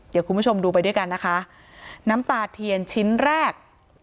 เดี๋ยวคุณผู้ชมดูไปด้วยกันนะคะน้ำตาเทียนชิ้นแรก